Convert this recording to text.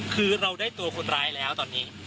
คือเราได้ตัวคนร้ายแล้วตอนนี้